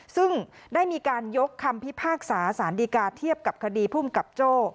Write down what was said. ซึ่งได้มีการยกคำพิพากษาสารดีกาเทียบกับคดีภูมิกับโจ้